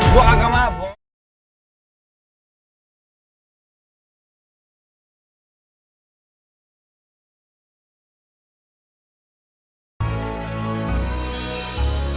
gue gak mabuk